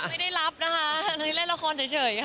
ไม่ได้รับนะคะเล่นละครเฉยค่ะ